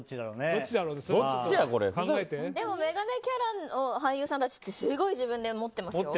でも眼鏡キャラの俳優さんってすごい自分で持ってますよ。